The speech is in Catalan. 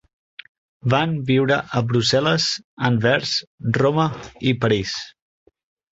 Van viure a Brussel·les, Anvers, Roma i París.